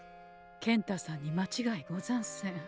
健太さんにまちがいござんせん。